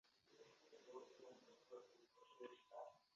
Ntamuntu numwe wigeze yumva impamvu inzovu yahindukiriye nyirayo.